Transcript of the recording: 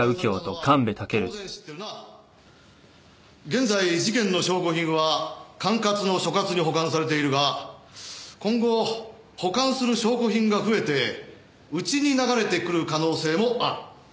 現在事件の証拠品は管轄の所轄に保管されているが今後保管する証拠品が増えてうちに流れてくる可能性もある。